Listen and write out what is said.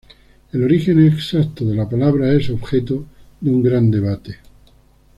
El origen exacto de la palabra es objeto de un gran debate.